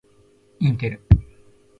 インテル